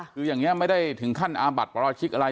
คืออย่างเนี้ยมันได้ถึงขั้นอบัตรหรอกคิดอะไร